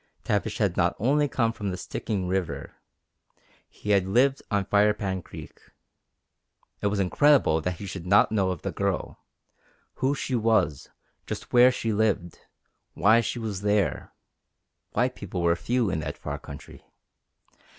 Tavish had not only come from the Stikine River; he had lived on Firepan Creek. It was incredible that he should not know of the Girl: who she was; just where she lived; why she was there. White people were few in that far country.